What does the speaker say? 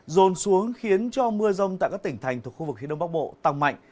rồn xuống khiến cho mưa rông tại các tỉnh thành thuộc khu vực khí đông bắc bộ tăng mạnh